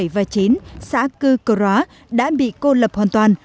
và chín xã cư cơ róa đã bị cô lập hoàn toàn